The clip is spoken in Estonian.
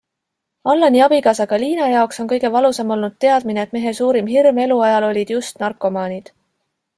Allani abikaasa Galina jaoks on kõige valusam olnud teadmine, et mehe suurim hirm eluajal olid just narkomaanid.